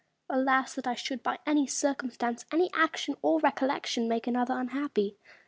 Alas that I should, by any circumstance, any action, or recollection, make another unhappy